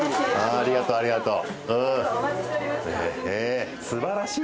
ありがとうありがとう。